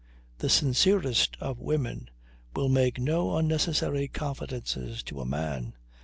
The sincerest of women will make no unnecessary confidences to a man.